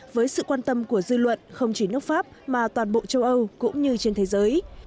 với sự quan tâm của dư luận không chỉ nước pháp mà toàn bộ châu âu cũng như trên thế giới